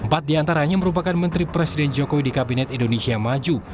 empat diantaranya merupakan menteri presiden jokowi di kabinet indonesia maju